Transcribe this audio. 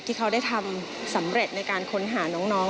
ที่เขาได้ทำสำเร็จในการค้นหาน้อง